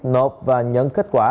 nộp và nhận kết quả